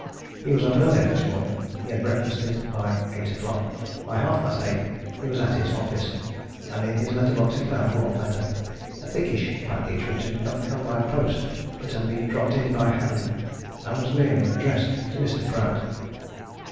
He was up early next morning; he had breakfasted by eight o'clock; by half past eight he was at his office. And in his letter box he found one letter a thickish package which had not come by post, but had been dropped in by hand, and was merely addressed to Mr. Pratt.